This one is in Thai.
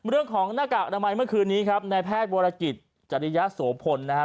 เรื่องของหน้ากากทำไมเมื่อคืนนี้ครับในแพทย์บริกิจจริยะโสพลนะฮะ